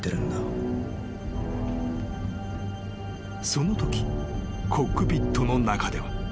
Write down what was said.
［そのときコックピットの中では］